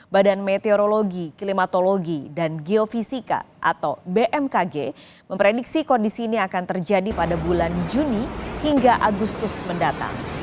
badan meteorologi klimatologi dan geofisika atau bmkg memprediksi kondisi ini akan terjadi pada bulan juni hingga agustus mendatang